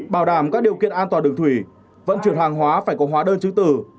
bảo đảm các điều kiện an toàn đường thủy vận chuyển hàng hóa phải có hóa đơn chứng tử